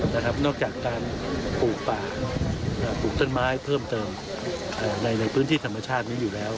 นอกจากการปลูกป่าปลูกต้นไม้เพิ่มเติมในพื้นที่ธรรมชาตินี้อยู่แล้ว